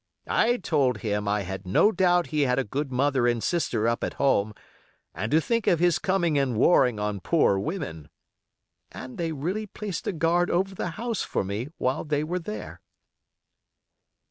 I told him I had no doubt he had a good mother and sister up at home, and to think of his coming and warring on poor women. And they really placed a guard over the house for me while they were there."